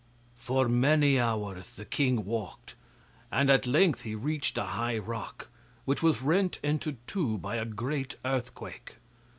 For many hours the king walked, and at length he reached a high rock, which was rent into two by a great earthquake.